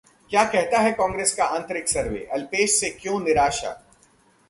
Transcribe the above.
क्या कहता है कांग्रेस का आंतरिक सर्वे, अल्पेश से क्यों निराशा?